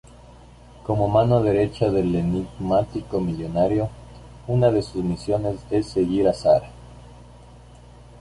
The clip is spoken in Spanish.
Como mano derecha del enigmático millonario, una de sus misiones es seguir a Sara.